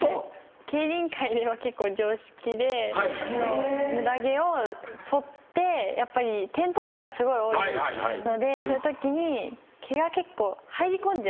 競輪界では結構常識でムダ毛をそって転倒とかすごい多いのでそういうときに毛が結構入り込んじゃう。